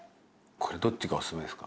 これどっちがおすすめですか？